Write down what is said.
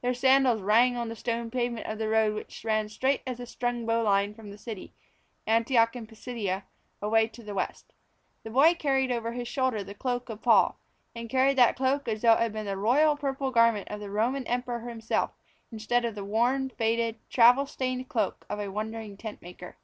Their sandals rang on the stone pavement of the road which ran straight as a strung bowline from the city, Antioch in Pisidia, away to the west. The boy carried over his shoulder the cloak of Paul, and carried that cloak as though it had been the royal purple garment of the Roman Emperor himself instead of the worn, faded, travel stained cloak of a wandering tent maker.